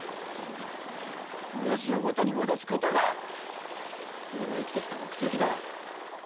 親父を元に戻すことが俺の生きてきた目的だよ。